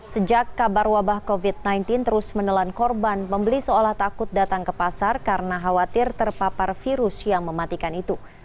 sejak kabar wabah covid sembilan belas terus menelan korban pembeli seolah takut datang ke pasar karena khawatir terpapar virus yang mematikan itu